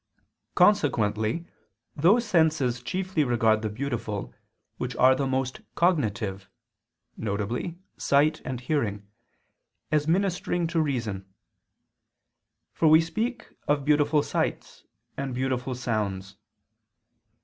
Consequently those senses chiefly regard the beautiful, which are the most cognitive, viz. sight and hearing, as ministering to reason; for we speak of beautiful sights and beautiful sounds.